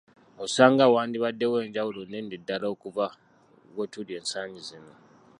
Osanga wandibaddewo enjawulo nnene ddala okuva we tuli ensangi zino.